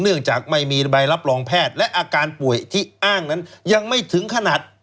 เนื่องจากไม่มีใบรับรองแพทย์และอาการป่วยที่อ้างนั้นยังไม่ถึงขนาด